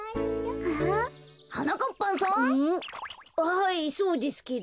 はいそうですけど。